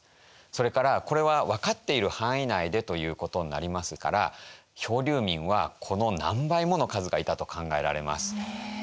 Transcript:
それからこれは分かっている範囲内でということになりますから漂流民はこの何倍もの数がいたと考えられます。